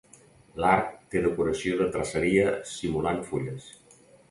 L'arc té decoració de traceria simulant fulles.